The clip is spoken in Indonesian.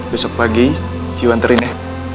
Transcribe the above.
besok pagi gio anterin ya